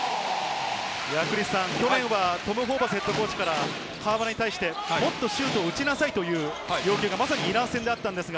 去年はトム・ホーバスＨＣから河村に対してもっとシュートを打ちなさいという要求が、まさにイラン戦でありました。